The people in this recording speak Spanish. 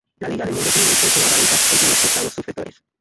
La Liga de Mundos Libres es una rareza entre los estados sucesores.